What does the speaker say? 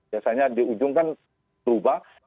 biasanya di ujung kan berubah